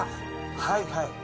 はいはい。